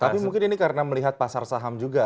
tapi mungkin ini karena melihat pasar saham juga